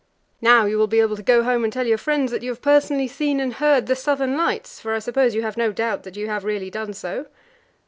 "Now you will be able to go home and tell your friends that you have personally seen and heard the southern lights, for I suppose you have no doubt that you have really done so?"